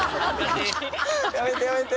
やめて、やめて。